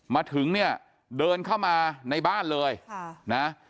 มาถึงเนี่ยเดินเข้ามาในบ้านเลยนะ